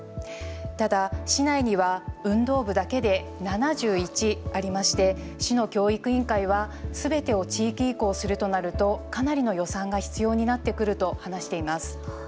ただ市内には運動部だけで７１ありまして市の教育委員会はすべてを地域移行するとなるとかなりの予算が必要になってくると話しています。